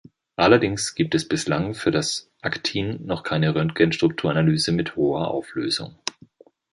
Allerdings gibt es bislang für das Aktin noch keine Röntgenstrukturanalyse mit hoher Auflösung.